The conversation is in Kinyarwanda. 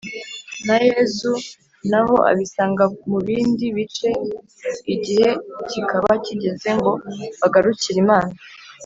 na yezu, naho abisanga mu bindi bice, igihe kikaba kigeze ngo bagarukire imana.